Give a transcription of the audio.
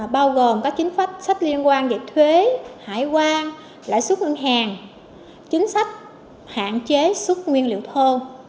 bao gồm các chính sách liên quan về thuế hải quan lãi xuất ngân hàng chính sách hạn chế xuất nguyên liệu thơ